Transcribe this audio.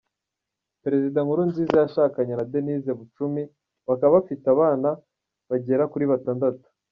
Perezida Nkurunziza yashakanye na Denise Bucumi bakaba bafite abana bagera kuri batandatu.